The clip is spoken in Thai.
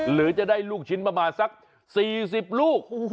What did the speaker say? หรือจะได้ลูกชิ้นประมาณสัก๔๐ลูก